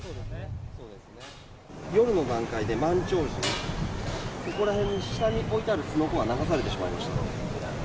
夜の段階で、満潮時に、そこら辺の下に置いてあるすのこが流されてしまいましたね。